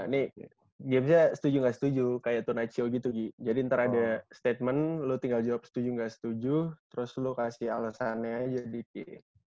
nih gamenya setuju gak setuju kayak tuna chio gitu gi jadi ntar ada statement lu tinggal jawab setuju gak setuju terus lu kasih alesannya aja di qa